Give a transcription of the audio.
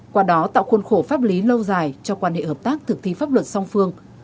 qua đó tạo khuôn khổ pháp lý lâu dài cho quan hệ hợp tác thực thi pháp luật song phương